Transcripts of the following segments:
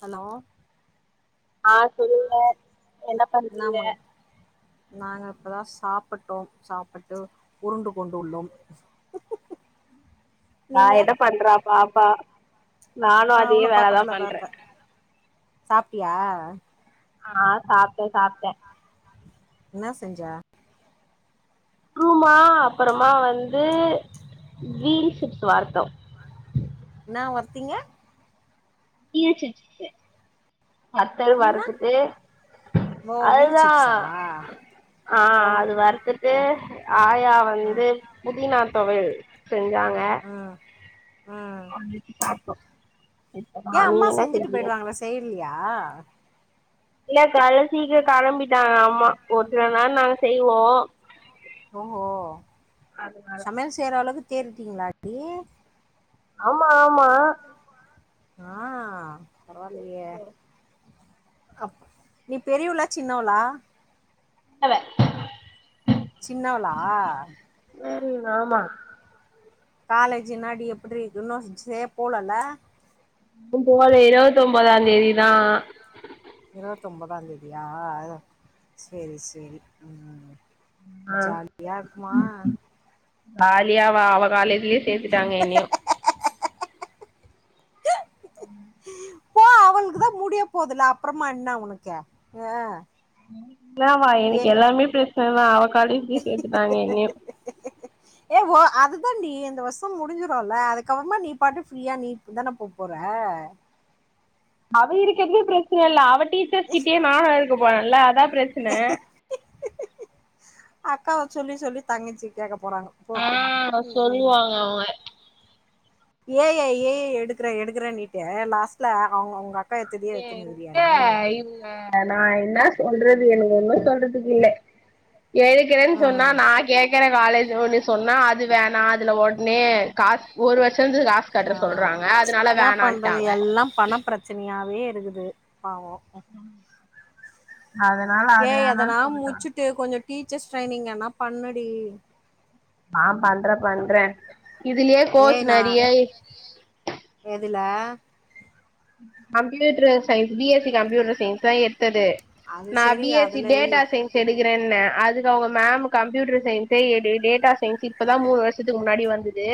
Hello ஆ சொல்லுங்க என்ன பண்றீங்க நாமாங்க நாங்க இப்போ தா சாப்புட்டோ சாப்புட்டு உருண்டுக் கொண்டு உள்ளோம் ஹ் நா எத பண்றா பாப்பா நானு ஆ அதே அவ்ளோ வேலதா பக்கத்துலதா பண்ற இருக்க சாப்ட்டியா ஆ சாப்ட்ட சாப்ட்ட என்ன செஞ்ஜ க்ரூமா அப்றமா வந்து வீல்ஷிப்ஸ் வர்த்தோ என்ன வர்த்தீங்க வீல் சிப்ஸ் வத்தல் அப்டின்னா வருத்துட்டு ஓ வீல் சிப்ஸா ஆ ரவுண்ட் அது வர்த்துட்டு ஓ ஆயா வந்து புதினா தொவயல் செஞ்சாங்க ம் ம் [unintelligible] இப்பதா ஏ நீங்க அம்மா என்ன செஞ்சுட்டு செஞ்சீங்க போய்டுவாங்ள செய்லியா இல்ல கால்ல சீக்ரோ கிளம்பிட்டா அம்மா ஒர் சில நாள் நாங்க செய்வோ ஓ ஒ அதனால சமையல் செய்ற அளவுக்கு தேரிட்டீங்களாடி ஆமா ஆமா ஆ பரவால்லையே அப் நீ பெரியவ்ளா சின்னவ்ளா யவ சின்னவளா உம் ஆமா காலேஜ் என்னாடி எபுட்றி இன்னு சே போலல இன்னு போல இருவத் ஒம்பதா தேதிதா இருவத் தொம்பதாந் தேதியா சேரி சேரி உம் ஜாலியா இர்க்மா ஜாலியாவ அவ காலேஜ்லயே சேத்துட்டாங்க என்னையு போ அவளுக்குதா முடிய போதுல அப்புறமா என்ன உனக்கு ஆ என்னவா ஏ எனக்கு எல்லாமே பிரச்சனதா அவ காலேஜ்லே செத்துடாங்கா என்னையு அதுதா டி இந்த வருஷம் முடிஞ்சிரூல அதுக்கப்பறமா நீ பாட்டுக்கு ஃப்ரீயா நீ தான போ போற அவ இருக்கதே பிரச்சன இல்ல அவ டீச்சர்ஸ் கிட்டயே நானு இருக்க போரள அதா பிரச்சன அக்காவ சொல்லி சொல்லி தங்கிச்சு கேட்க ஆ சொல்லுவாங்க அவங்க ஏ ஐ ஏ ஐ எடுக்கற எடுக்கறன்னட்டு லாஸ்ட்ல அவங்கங்வங்க ஏ எங்க இவங்க நா என்ன சொல்றது எனக்கு ஒன்னு சொல்றதுக்கு இல்ல எடுக்கறேன்னு சொன்னா ம் நா கேக்கற காலேஜ் ஒன்னு சொன்னா அது வேணா அதுல உடனே காசு ஒரு வருஷ ஆ என்னப் பண்றது வேணான்ட்டாங்க எல்லா பணம் பிரச்சனையாவே இரு இருக்குது பாவோ அதனால அது ஏய் வேணான்னு எதனா சொல்லிட்டாங்க முச்சுட்டு கொஞ்சொ டீச்சர்ஸ் ட்ரைனிங் என்னாப் பண்ணுடி நா பண்ற பண்ற இதுலெயே கோர்ஸ் ஏய் நா நெறிய இ எதுல computer science B S C computer சயின்ஸ்தா எடுத் தது அது நா செரி பி எஸ் சி அதுல டேட்டா சயின்ஸ் எடுக் குறேன்ன அதுக்கு அவங்க மேம் கம்யூட்டர் சயின்ஸ்ஸே எடு டேட்டா சயின்ஸ் இப்பதா மூணு வருஷத்துக்கு முன்னாடி வந்து து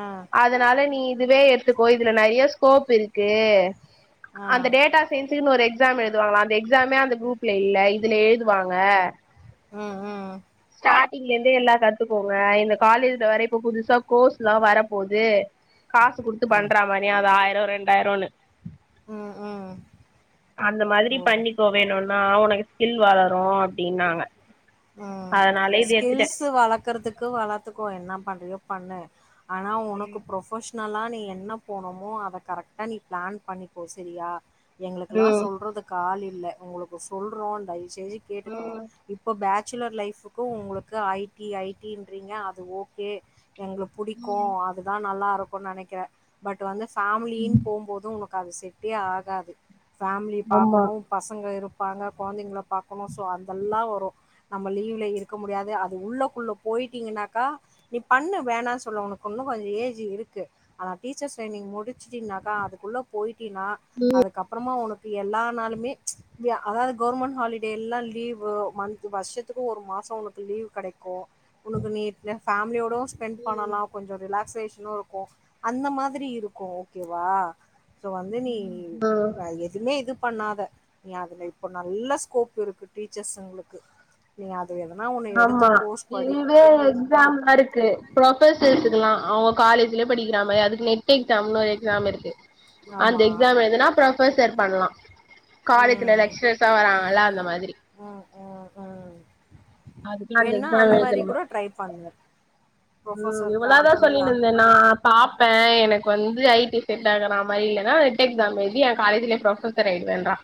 ஆ அதனால நீ இதுவே எடுத்துக்கோ இதுல நெறிய ஸ்கோப் இருக்கு ஆ அந்த டேட்டா சயின்ஸ்னு ஒரு எக்ஸ் க்ஸாம் எழுதுவாங்களா அந்த எக்ஸாமே அந்த குரூப்ல இல்ல இதுல எழுதுவாங்க. ம் ம் ஸ்டாரிங்ல இருந்தே எல்லா கத்துக்கோங்க இந்த காலேஜ்ல வேற இப்ப புதுசா கோர்ஸ்லா வரப்போது காசு குடுத்து பண்ற மானியா அது ஆயிரொ ரெண்டாயிரொன்னு ம் ம் அந்த மாதிரி ஓ பண்ணிக்கோ வேணுனா உனக்கு ஸ்கில் வளரு அப்டின்னாங்க ம் அதனால இது எடுத்துட்டேன் ஸ்கில்ஸ் வளக்கறதுக்கு வளத்துக்கோ என்ன பண்றியோ பண்ணு ஆனா உனக்கு ப்ரொஃபஷ் னலா நீ என்ன போனுமோ அத கரெக்டா நீ பிளான் பண்ணிப்போ சரியா எங்களுக்குல்லா ம் சொல்றதுக்கு ஆள் இல்ல உங்குளுக்கு சொல்றோ தயவு செஞ்சு கேட்டுக்கோங்க ம் இப் பேச்சுலர் லைஃப்க்கு உங்களுக்கு ஐ டி ஐ டி ன்றீங்க அது ஓகே எங்களுக் புடிக்கு ம் அதுதா நல்லாருக்கு நெனைக்கிற பட் வந்து ஃபேமிலின்னு போகும்போதும் உனக் க அது செட்டே ஆகாது ஃபேமிலி ஆமா பாக்கணும் பசங்க இருப் பாங்க கொழந்தைங்கள பாக்கணு சோ அதெல்லா வரு நம்ம லீவ்ல இருக்க முடியாது அது உள்ளக்குள்ள போயிட்டீங்கன்னாக்கா நீ பண்ணு வேணான் சொல்லோணு க்கொன்னு கொஞ்சொ ஏஜ் இருக்கு ஆனா டீச்சர்ஸ் ட்ரைனிங் முடிச்சுட்டினாக்கா அதுக்குள்ள போயிட் ட்டினா அதுக்கப்பறமா ஒனக் எல்லா நாளுமே வெ அதாவது கவுர்மெண்ட் ஹாலிடே எல்லா லீவ் மந் த் வருஷத்துக்கு ஒரு மாசோ ஒனக்கு லீவ் கெடைக்கு உனக்கு நீ் வெ ஃபேமிலியோடொ ஸ்பெண்ட் பண்ணலா கொஞ்சொ ரிலாக்சேஷனு இருக்கு அந்த மாதிரி இருக்கு ஓகேவா சோ வந்து நீ ம் ம் அ எதுவுமே இது பண்ணாத நீ அதுல இப்ப நல்ல ஸ்கோப் இருக்கு டீச்சர்ஸ்ங்களுக்கு நீ அது எதனா ஒன்னு எடுத்து ஆமா கோர்ஸ் படி இதுவே எக்ஸாம்லா ருக்கு ப்ரொஃபஸ் வச்சுக்கல்லா அவங்க காலேஜ் இதுலே படிக்கிறா மார் அதுக்கு நெட் எக்ஸாம்னு ஒரு எக்ஸாம் இருக்கு அந்த ஆமா எக்ஸாம் எழுதுனா ப்ரொஃபசர் பண்ணலா காலேஜ்ல ம் லெக்ஷர்ஸ்லா வராங்கல்ல அந்த மாதிரி ம் ம் ம் அதுக்குலா வேணா அந்த எக்ஸாம் மாரி எழுதணுமா கூட ட்ரை பண்ணு ம் ப்ரொஃபஸருக்கு இவ்வளாதா அதுக்கு முன்னா சொல்லிட்ருந்தே நா பாப்ப எனக்கு வந்து ஐ டி செட் ஆகுறனா மாரி இல்ல னா ரெட் எக்ஸாம் எழ்தி எ காலேஜ்லெ ப்ரொஃபசர் ஆயிடுவேன்றா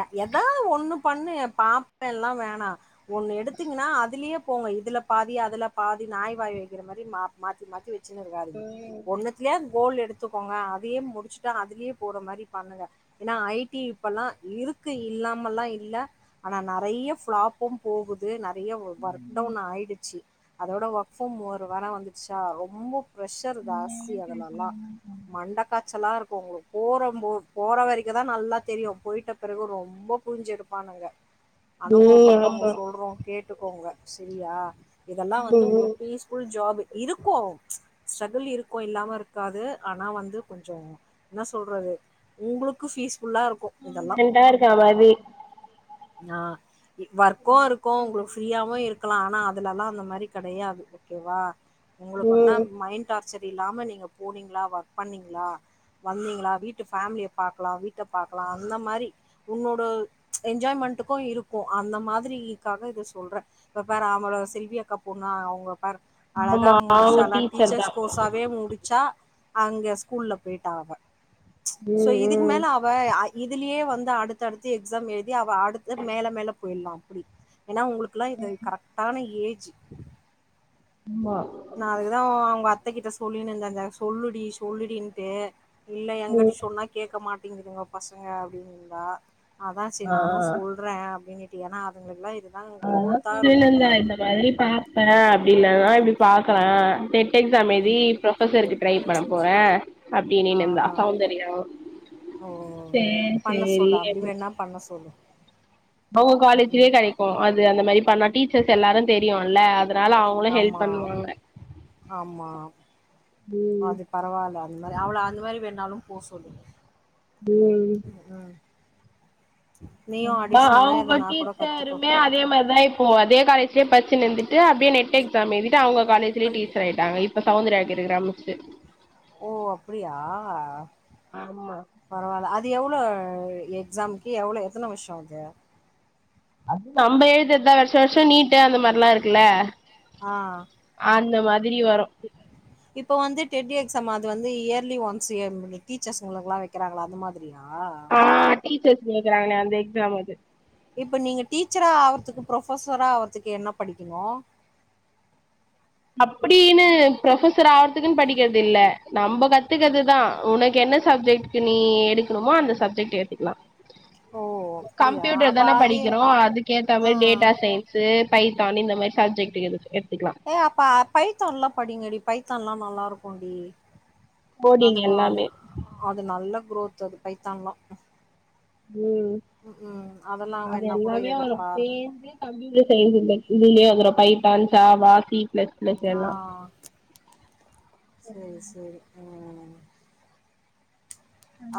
எ எதாவ்து ஒன்னு பண்ணு எ பாப்பெல்லா வேணா ஒன்னு எடுத்திங்கன்னா அதுலயே போங்க இதுல பாதி அதுல பாதி நாய் வாய் வைக்கற மாரி மா மாத்தி மாத்தி வ ச்சின கூடாது ம் ஒன்னுத்துலயா ஃகோல் எடுத்துக்கோங்க அதயே முடிச்சுட்டு அதுலயே போற மாரி பண்ணுங்க ஏன்னா ஐ டி இப்பல்லா இருக்கு இல்லாமல்லா இல்ல ஆனா நெறய ஃபிளாப்பும் போகுது நெற றைய ஒ ஒர்க் டவுன் ஆயிடுச்சு அதோட ஒர்க் ஃப்ரம் ஒர் வேற வந்துச்சா ரொம்போ பிரஷர் ஜாஸ்தி அதுலலா மண்ட காய்ச்சலா ருக் கு உங்களுக் போறம் போ போற வரைக்குதா நல்லா தெரியு போயிட்ட பெறகு ரொம்ப புளிஞ்சு எடுப்பானுங்க. ம் அனுபவப்பட்டவங்க ஆமா சொல்றோ கேட்டுக்கோங்க செரியா இதெல்லா வந்து ம் ம் உங்களுக் பீஸ்ஃபுல் ஜாப் இருக்கு ஸ்ட்ரகுள் இருக்கு இல்லாம இருக்காது ஆனா வந்து கொஞ்சோ என்ன சொல்றது உங்களுக்கு ஃபி ஸ்புள்ளாரு ஃப்ரண்டா இருக்கறமாரி அ வொர்க்கு இருக்கு உங்களுக்கு ஃப்ரீயாவு இருக்கலா ஆனா அதுலலா அந்த மாரி கெடயாது ஓகேவா உங்களுக்கு ஒன்னா ம் மைண்ட் டார்ச் சர் இல்லாம நீங்க போனீங்ளா ஒர்க் பண்ணீங்ளா வந்தீங்களா வீட்டு ஃபேமிலிய பாக்கலா வீட்ட பாக் கலா அந்த மாரி உன்னோட என்ஜாய்மென்ட்க்கு இருக்கு அந்த மாதிரிக்காக இத சொல் ற இப்ப பாரு அவள செல்வி அக்கா பொண்ணு அவுங்க பாரு அழகா ஆமா அவங்க முடிச்சாலா டீச்சர் தா டிச்சர்ஸ் கோர்ஸ் சாவே முடிச்சா அங்க ஸ்கூல்ல போயிட்டா அவ சோ ம் இதுக்கு ம் மேல அவ இதுலயே வந்து அடுத்தடுத்து எக்ஸாம் எழுதி அவ அடுத்து மேல மேல போயிட்லா அப்டி ஏன்னா உங்களுக்கெல்லா இது கரெக்டான ஏஜ் ஆமா நா அதுக்குதா அவுங்க அத்தகிட்ட சொல்லினுந்த அந்த சொல்லுடி சொல்லுடின்டு இல்ல எங்கடி ம் சொன்னா கேக்க மாட்டேங்குதுங்க பசங்க அப்டின்னு இருந்தா அதா ஆ சேரி நானு சொல்றே அப்படின்னுட்டு ஏன்னா அதுங்க எல்லா இரு ஆஹா இல்லல்ல இந்த மாரி பாப்பே அப்படின்னா தா இப்படி பாக்கலா எக்ஸாம் ம் எழுதி ப்ரொபசர்க்கு ட்ரை பண்ண போறே ஆ அப்படின்னுனுந்த ஆ அக்காவு தெரியு ஓ சேரி பண்ண சேரி சொல்லு அப்டி எது வேணா பண்ண சொல்லு அவுங்க ம் காலேஜ்லயே ம் கெடைக்கு அது அந்த மாரி பண்ணா டீச்சர்ஸ் எல்லாரு தெரியும்ல அதனால அவங்களு ஹெல்ப் ஆமா பண்ணுவாங்க ஆமா ம் அது பரவால்ல அந்த மாரி அவள அந்த மாரி வேணாலு போ சொல்லு ம் ம் நீயு கா அடிஷ்னலா அவுங்க எதனா கூட கத்துக்கோ டீச்சருமே அதே மாதிரிதா இப்போ அதே காலேஜ்லயே ப ச்சுன்னுருந்துட்டு அப்படியே நெட் எக்ஸாம் எழுதிட்டு அவங்க காலேஜ்லய டீச்சர் ஆயிட்டாங்க இப்ப சவுந்தரியா இருக்கரா மிஸ்சு ஓ அப்டியா ஆமா பரவால்ல அ து எவ்ளோ எக்ஸாம்க்கு எவ்ளோ எத்தன வருஷோ அது அது நம்ப எழுதுறதா வருஷ வருஷ நீ் ட்டு அந்த மாரிலா இருக்குல ஆ அந்த மாதிரி வரு இப்ப வந்து டெட் எக்ஸாம் அது வந்து இயர்லி ஒன்ஸ் டீச்சர்ஸ்ங்களுக்கெளா வக்கிராங்கள அந்த மாதிரி அ டீச்சர்ஸ் வெக்கறாங்க அந்த எக்ஸாம் அது இப்ப நீங்க டீச்சரா ஆகுறதுக்கு ஃப்ரொபசரா ஆகுறதுக்கு என்ன படிக்கணு அப்படின்னு ஃப்ரொபசர் ஆறதுக்குன் படிக்கிறது இல்ல நம்ம கத்துக்கறதுதா உன என்ன சப்ஜெக்டு நீ எடுக்கணுமோ அந்த சப்ஜெக்ட் எடுத்துக்கலா ஓ அப்டியா கம்ப்யூட்டர் அப்ப தான அது படிக்கிறோ அதுக்கு ஏத்த ஆ மாரி டேட்டா சயின்ஸு பை த்தான் இந்த மாரி சப்ஜெட்டு இருக்கு ஏ அப்ப பைத்தான்ல்லா படிங்கடி பைத்தான்ல்லா நல்லா இருக்கு டி கோடிங் அதுக்கு அது எல்லாமே அது நல்ல குரோத் அது பைத்தான்லா ம் ம் அதெல்லா அது வேணா கூட எல்லாமே எடுத்து வரு பாருங்க சேர்ந்து கம்ப்யூட்டர் சேர்ந்து வரு இதுலயே வந்துரு பைத்தான் சாவா சி பிளஸ் பிளஸ் ஆ எல்லா சேரி சேரி ம்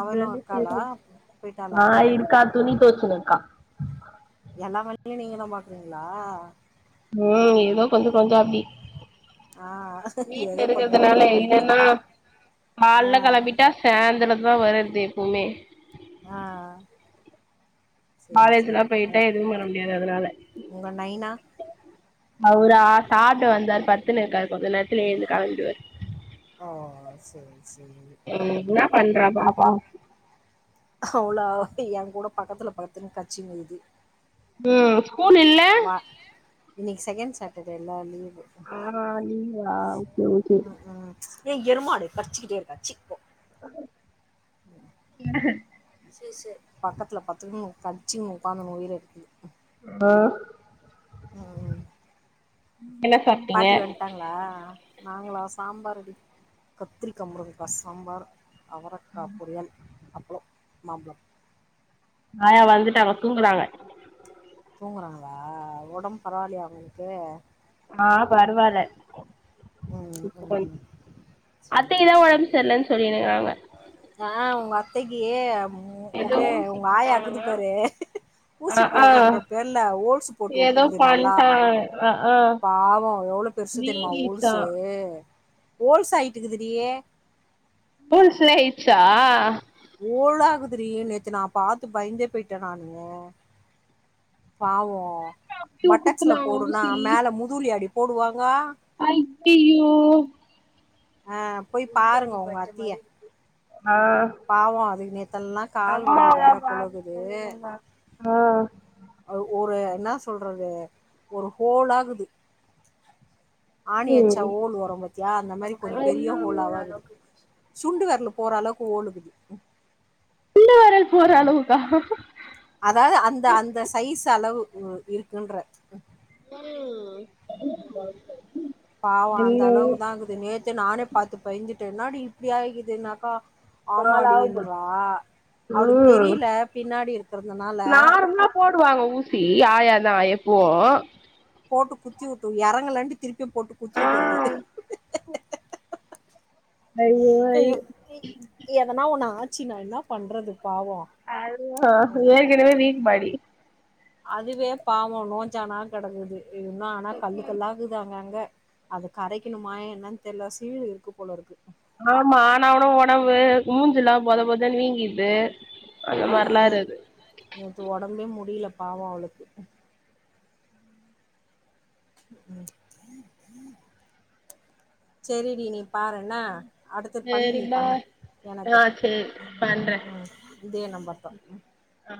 அவளு இருக்காளா போயிட்டாளா அவ அ இருக்கா துணி தொவச்சுனுருக்கா எல்லா மணிலயு நீங்க தா பாக்குறீங்ளா ம் ஏதோ கொஞ்சோ கொஞ்சோ அப்டி அ வீட்ல ஏதோ கொஞ்சோ கொஞ்சோ இருக்கறதுனால அப்டி இல்லன்னா ஆ கால்ல கெளம்பிட்டா சாந்திர தா வரது எப்போமே அ சேரி சேரி காலேஜ்ல்லா போயிட்டு எதுவு பண்ண முடியாது அதனால உங்க நைனா அவுரா சாப்ட வந்தாரு பத்துன்னு இர்க்காரு கொஞ்ச நேர்த்துல எழ்ந்து களம்பிவார் ஓ செரி செரி என்ன ம் பண்றா பாப்பா அவுளா ஏன் கூட பக்கத்துல பக்கத்துல பட்த்தின்கா சின்ன இது ம் ஸ்கூல் இல்ல இன்னிக் செகெண் சாட்டர்டேல லீவ் ஆ நீங்ளா போய்ர்ச்சு ஏ எருமாடு கச்சுக்கிட்டே இருக்கச்சிப்போ எனக பக்கத்துல பட்த்துன் கடுச்சின் உக்காந்துன் உயிர் எடுக்குது ஆ ம் என்ன சாப்ட்டீங்க பாட்டி வன்ட்டாங்ளா நாங்குளா சாம்பாருடி கத்ரீக்கா முருங்குகா சாம்பார் அவரக்கா பொரியல் அப்ளோ மாம்ப்ழம் ங்காயா வந்துட்டாங்க தூங்குறாங்க தூங்குறாங்குளா ஒடம் பரவாலியா அவுங்குளுக்கு ஆ பருவால்ல ம், ம். சரி அத்தைக்தா ஒடம் சரி சர்லன் சொல்லின் இர்குறாங்க ஆ உங் அத்தைக்கு ஏதோ உடு ஊசி உங்க ஆயா போட்டாங்க இகுதுப்பாரு அ ஊசி ஆ போறன்ற பேர்ல ஓல்சு போட்டு ஏதோ உட்டுர்து நல்லா பண்ட்டா அ ஆ பாவோ யோ எவுளோ பெர்சு தெரிமா வீங்கிச்சா ஓர்சு ஓல்சாய்ட்டுக்கிதுடி பூல்ஸாய்ர்ச்சா திரி நேத்து நான் பாத்து பைந்தே பேய்ட்டே நானு பாவோ அப்டியே பட்டக்ஸ்ல குத்துனாங்க போடுனா மேல முதுல்யாடி போடுவா ஐயையோ ஆ போய் பாருங்க உங் அத்திய ஆ பாவோ அதுக்கு நேத்தெல்லா கால்வலி அம்மாதா வேற பாத்து போழுகுது சொல்லினுந்தாங்க ஆ ஒரு என்னா சொல்றது ஒரு ஹோல் ஆகுது ஆணியட்ச்சா ம் ஓல் வரு பாத்தியா அந்த மாரி கொஞ் பெரிய ஐய்யய்யோ ஹோலாவா இருக்கு சுண்டு வெர்லு போற அளவ்க் ஒல் இகுது சுண்டு வெரல் போற அளவுகா அதாது அந்த அந்த சைஸ் அளவு வு இருக்குன்ற ம் பாவோ அந்த என்னது அளவுக்குதா இகுது நேத்தே நானே பாத்து பய்ந்துட்டே என்னாடி இப்டி ஆய்கிதுனாக்கா நாளாக போச்சு ஆமாடீன்றா அவுளுக் ம் தெரில பின்னாடி இருக்கறதுனால யாயாதா எப்போ போட்டு குத்திவுட்டு எறங்கலண்ட்டு திருப்பியு போட்டு குத்தி உட்டுகுது ஐயோ எ எதனா ஒண்ணு ஆச்சினா என்ன பண்றது பாவம் அதுதா ஏகனேவே வீக் பாடி அதுவே பாவோ நோஞ்ஜானா கடக்குது இன்னு ஆனா கல்லு கல்லா இகுது அங்க அங்க அது கரைக்கிணுமா என்னன் தெர்ல சீழ் இருக்கு போல இருக்கு ஆமா ஆனாவூனு ஒடம்பு மூஞ்சிலா பொத பொதன் வீங்கிற்து ம் நேத்து ஒடம்பே முடில பாவோ அவுளுக்கு செரிடி நீ பாருண்ண அடுத்து பண்ணு சேரி நீ பண்ணு பாய் எனக்கு ஆ சேரி பண்றே ம் இதே நம்பர்தா ம் ஆ